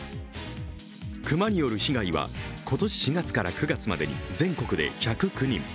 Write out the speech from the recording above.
熊による被害は今年４月から９月までに全国で１０９人。